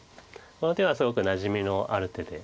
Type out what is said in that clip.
この手はすごくなじみのある手で。